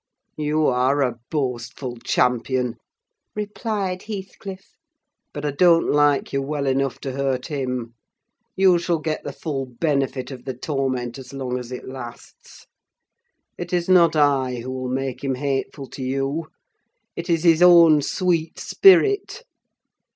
"You are a boastful champion," replied Heathcliff; "but I don't like you well enough to hurt him: you shall get the full benefit of the torment, as long as it lasts. It is not I who will make him hateful to you—it is his own sweet spirit.